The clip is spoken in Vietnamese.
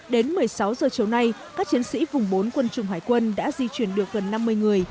đến một mươi sáu giờ chiều nay các chiến sĩ vùng bốn quân chủng hải quân đã di chuyển được gần năm mươi người